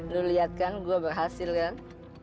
lu lihat kan gue berhasil kan